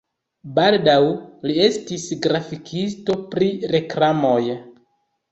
Baldaŭ li estis grafikisto pri reklamoj.